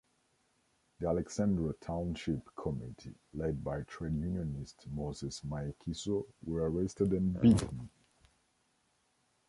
The Alexandra Township Committee, led by trade unionist Moses Mayekiso, were arrested and beaten.